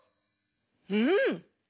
うん。